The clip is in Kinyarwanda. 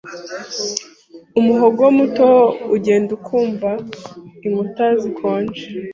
umuhogo muto ugenda ukumva inkuta zikonje